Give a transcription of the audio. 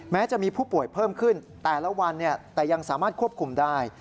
จะมีผู้ป่วยเพิ่มขึ้นแต่ละวันแต่ยังสามารถควบคุมได้